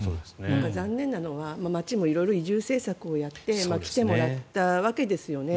残念なのは町も色々、移住政策をやって来てもらったわけですよね。